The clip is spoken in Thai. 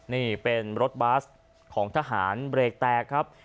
นี่เป็นรถบัสของทหารเบรกแตกครับ